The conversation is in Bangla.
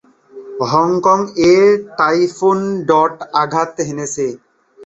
হংকং-এ টাইফুন ডট আঘাত হেনেছে।